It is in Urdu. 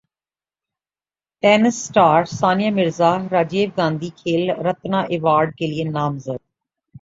ٹینس اسٹار ثانیہ مرزا راجیو گاندھی کھیل رتنا ایوارڈکیلئے نامزد